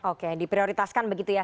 oke diprioritaskan begitu ya